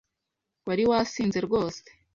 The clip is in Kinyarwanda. Wari wasinze rwose?